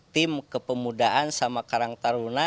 tim kepemudaan sama karang taruna